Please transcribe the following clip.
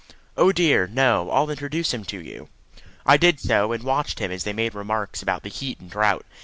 "Oh dear, no! I'll introduce him to you." I did so, and watched him as they made remarks about the heat and drought.